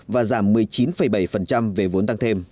và giảm một mươi chín bảy về vốn tăng thêm